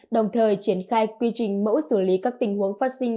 đồng thời triển khai quy trình mẫu xử lý các tình huống phát sinh